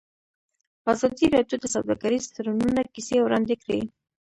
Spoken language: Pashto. ازادي راډیو د سوداګریز تړونونه کیسې وړاندې کړي.